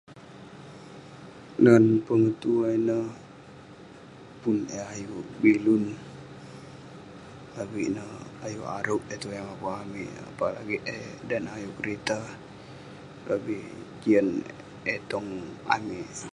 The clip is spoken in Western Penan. Ngan pun tulan ineh pun eh ayuk bilun, avik neh ayuk arog eh tuai mapun amik. Apalagi eh dan neh ayuk kerita, lobih jian eh tong amik.